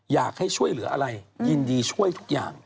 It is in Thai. อยากให้ช่วยเหลืออะไรยินดีช่วยทุกอย่าง